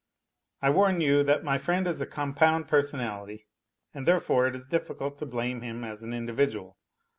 I warn you that my friend is a compound personality, and therefore it is difficult to blame him as an individual.